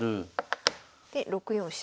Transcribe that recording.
で６四飛車。